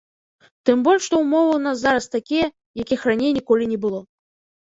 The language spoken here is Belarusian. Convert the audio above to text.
Тым больш што ў мовы ў нас зараз такія, якіх раней ніколі не было.